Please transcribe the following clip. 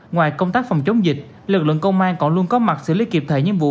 ngoài công tác phòng chống dịch lực lượng công an còn luôn có mặt xử lý kịp thời những vụ